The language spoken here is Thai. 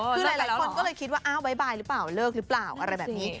คือหลายคนก็เลยคิดว่าอ้าวบ๊ายหรือเปล่าเลิกหรือเปล่าอะไรแบบนี้